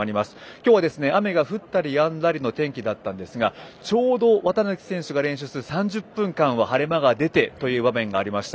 今日は雨が降ったりやんだりの天気だったんですがちょうど綿貫選手が練習する３０分間は晴れ間が出てという場面がありました。